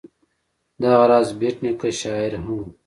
دغه راز بېټ نیکه شاعر هم و.